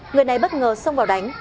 người này bất ngờ xông vào đánh